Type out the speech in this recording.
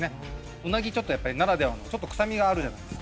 うなぎちょっとやっぱりならではの臭みがあるじゃないですか